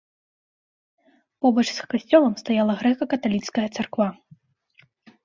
Побач з касцёлам стаяла грэка-каталіцкая царква.